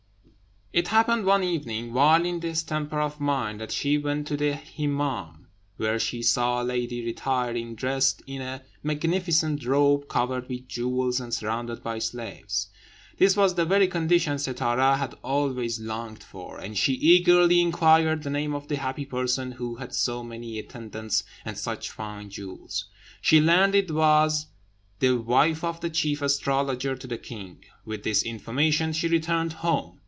It happened one evening, while in this temper of mind, that she went to the Hemmâm, where she saw a lady retiring dressed in a magnificent robe, covered with jewels, and surrounded by slaves. This was the very condition Sittâra had always longed for, and she eagerly inquired the name of the happy person who had so many attendants and such fine jewels. She learned it was the wife of the chief astrologer to the king. With this information she returned home.